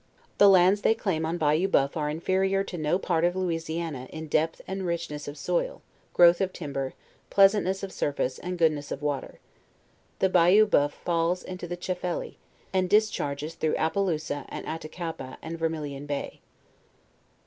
The lands they claim on Bayou Bceuf are inferrior to no part of Louisiana in depth and richness of soil, growth of timber, pleasantness of surface, and goodness of water. The Bayou Boeuf falls into the Chaffeli, and discharges though Appellousa and At takapa and Vermillion bay.